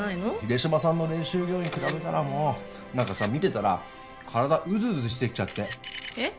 秀島さんの練習量に比べたらもう何かさ見てたら体うずうずしてきちゃってえっ？